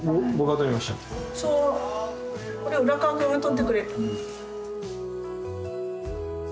そうこれ浦川くんが撮ってくれた。